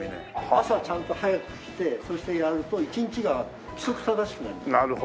朝ちゃんと早く来てそしてやると一日が規則正しくなりますよね。